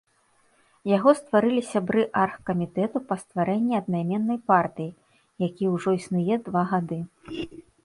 Яго стварылі сябры аргкамітэту па стварэнні аднайменнай партыі, які ўжо існуе два гады.